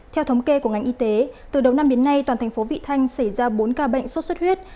theo thống kê của ngành y tế từ đầu năm đến nay toàn thành phố vị thanh xảy ra bốn ca bệnh sốt xuất huyết